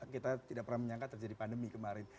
kita tidak pernah menyangka terjadi pandemi kemarin